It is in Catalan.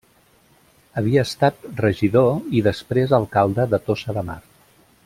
Havia estat regidor i després alcalde de Tossa de Mar.